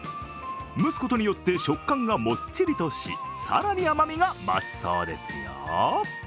蒸すことによって食感がもっちりとし、更に甘味が増すそうですよ。